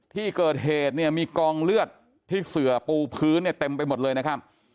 ที่เกิดเหตุเนี่ยมีกองเลือดที่เสือปูพื้นเนี่ยเต็มไปหมดเลยนะครับ